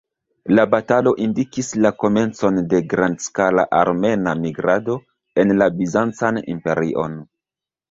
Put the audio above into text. La batalo indikis la komencon de grandskala armena migrado en la Bizancan Imperion.